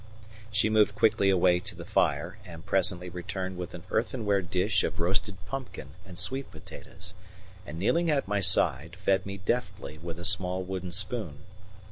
She moved quickly away to the fire, and presently returned with an earthenware dish of roasted pumpkin and sweet potatoes and, kneeling at my side, fed me deftly with a small wooden spoon.